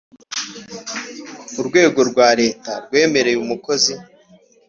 Urwego rwa leta rwemereye umukozi